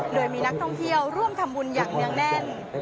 โดยมีนักท่องเที่ยวร่วมทำบุญอย่างเนื่องแน่น